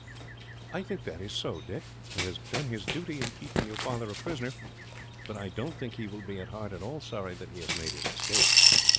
"I think that is so, Dick. He has done his duty in keeping your father a prisoner, but I don't think he will be, at heart, at all sorry that he has made his escape."